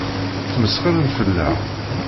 Ttmesxiṛen fell-aɣ.